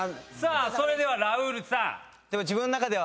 それではラウールさん。